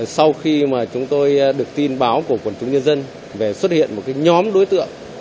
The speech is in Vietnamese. sau khi mà chúng tôi được tin báo của quần chúng nhân dân về xuất hiện một nhóm đối tượng